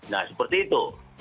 nah seperti itu